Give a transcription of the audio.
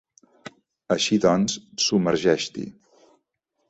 Així doncs, submergeix-t'hi.